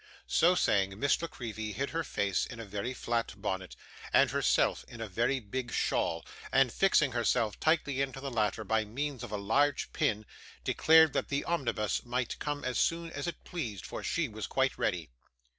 So saying, little Miss La Creevy hid her face in a very flat bonnet, and herself in a very big shawl; and fixing herself tightly into the latter, by means of a large pin, declared that the omnibus might come as soon as it pleased, for she was quite ready.